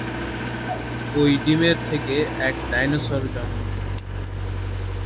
ঐ ডিমের থেকে এক ডাইনোসর জন্ম নেয়।